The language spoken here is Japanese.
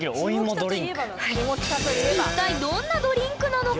一体どんなドリンクなのか？